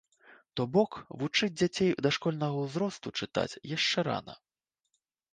То бок вучыць дзяцей дашкольнага ўзросту чытаць яшчэ рана.